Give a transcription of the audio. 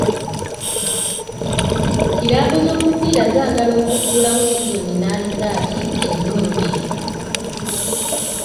Kiraabu z'omupiira zaagala okuggulawo sizoni ne alizaati ennungi.